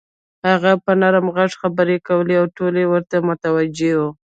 هغه په نرم غږ خبرې کولې او ټول ورته متوجه وو.